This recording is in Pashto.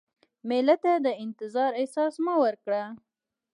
مېلمه ته د انتظار احساس مه ورکړه.